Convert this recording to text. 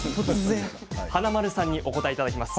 華丸さんにお答えいただきます。